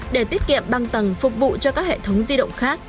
để tiết kiệm băng tầng phục vụ cho các hệ thống di động khác